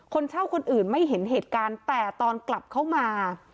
คนเช่าคนอื่นไม่เห็นเหตุการณ์แต่ตอนกลับเข้ามา